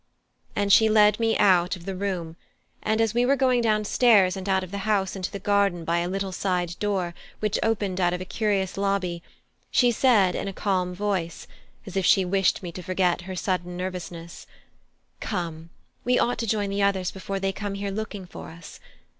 And she led me out of the room; and as we were going downstairs and out of the house into the garden by a little side door which opened out of a curious lobby, she said in a calm voice, as if she wished me to forget her sudden nervousness: "Come! we ought to join the others before they come here looking for us.